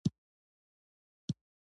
د اوبو لګولو عصري سیستمونه کوم دي؟